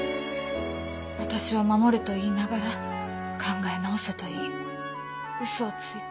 私を守ると言いながら考え直せと言いうそをついて。